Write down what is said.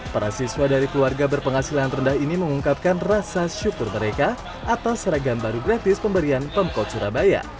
para siswa dari keluarga berpenghasilan rendah ini mengungkapkan rasa syukur mereka atas seragam baru gratis pemberian pemkot surabaya